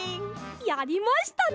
やりましたね！